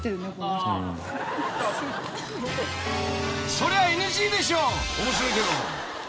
［そりゃＮＧでしょ面白いけど］